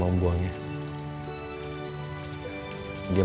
aku mau menangis